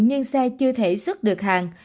nhưng xe chưa thể xuất được hàng